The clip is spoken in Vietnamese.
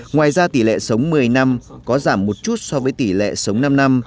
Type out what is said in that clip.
ngoài ra tỷ lệ sống một mươi năm có giảm một chút so với tỷ lệ sống năm năm